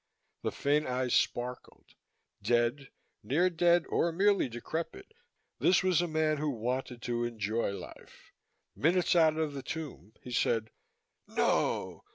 The faint eyes sparkled. Dead, near dead or merely decrepit, this was a man who wanted to enjoy life. Minutes out of the tomb, he said: "No!